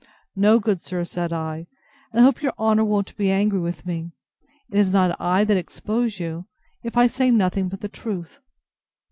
No, good sir, said I, and I hope your honour won't be angry with me; it is not I that expose you, if I say nothing but the truth.